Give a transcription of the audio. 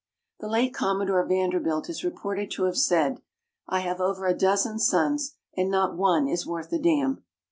The late Commodore Vanderbilt is reported to have said, "I have over a dozen sons, and not one is worth a damn."